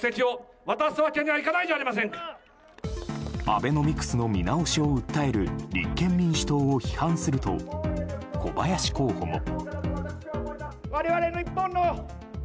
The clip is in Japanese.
アベノミクスの見直しを訴える立憲民主党を批判すると小林候補も。